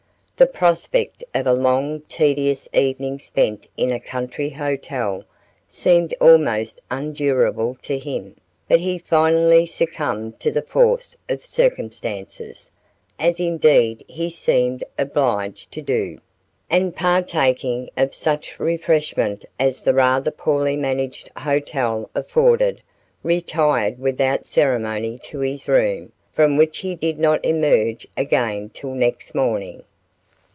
The prospect of a long tedious evening spent in a country hotel seemed almost unendurable to him, but he finally succumbed to the force of circumstances, as indeed he seemed obliged to do, and partaking of such refreshment as the rather poorly managed hotel afforded, retired without ceremony to his room, from which he did not emerge again till next morning.